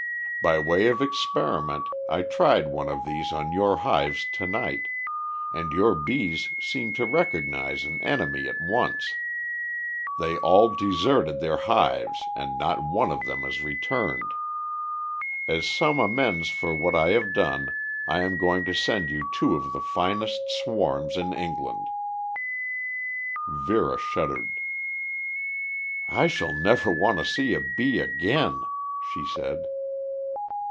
By way of experiment I tried one of these on your hives to night, and your bees seemed to recognize an enemy at once. They all deserted their hives and not one of them has returned. As some amends for what I have done I am going to send you two of the finest swarms in England." Vera shuddered. "I shall never want to see a bee again," she said.